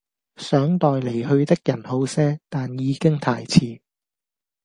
想待離去的人好些，但已經太遲